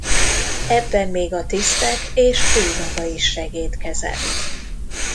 Ebben még a tisztek és ő maga is segédkezett.